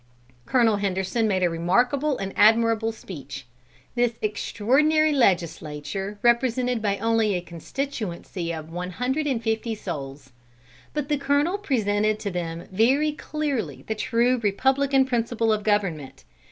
Colonel Henderson made a remarkable and admirable speech. This extraordinary legislature represented only a constituency of one hundred and fifty souls. But the Colonel presented to them very clearly the true republican principle of government.